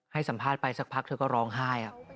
ให้สัมภาษณ์ไปสักพักเธอก็ร้องไห้